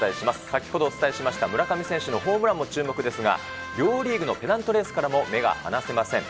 先ほどお伝えしました村上選手のホームランも注目ですが、両リーグのペナントレースからも目が離せません。